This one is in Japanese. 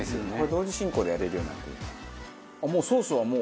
同時進行でやれるようになるといいな。